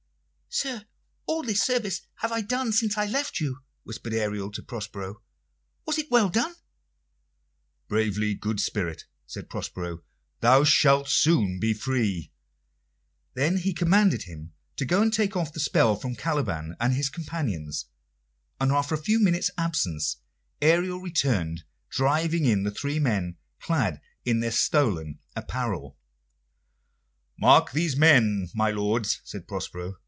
"Sir, all this service have I done since I left you," whispered Ariel to Prospero. "Was it well done?" "Bravely, good spirit," said Prospero. "Thou shalt soon be free." Then he commanded him to go and take off the spell from Caliban and his companions, and after a few minutes' absence Ariel returned driving in the three men, clad in their stolen apparel. "Mark these men, my lords," said Prospero.